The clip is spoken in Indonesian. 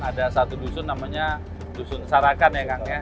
ada satu dusun namanya dusun sarakan ya kang ya